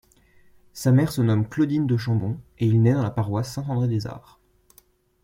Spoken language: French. Sa mère se nomme Claudine de Chambon et il nait dans la paroisse Saint-André-des-Arts.